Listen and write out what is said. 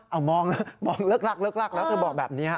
เอามองเล็กลักแล้วเธอบอกแบบนี้